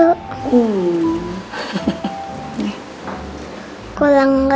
aku minta mama senyum dulu